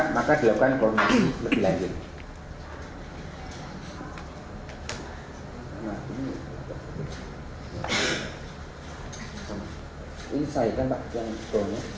maka dilakukan koordinasi lebih lanjut